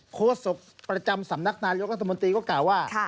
โฆษกประจำสำนักนายกรัฐมนตรีก็กล่าวว่า